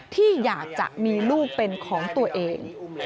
ที่อยากจะมีลูกเป็นของตัวเอง